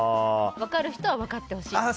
分かる人は分かってほしいみたいな。